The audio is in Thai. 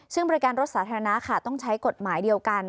ซึ่งบริการรถสาธารณะค่ะต้องใช้กฎหมายเดียวกัน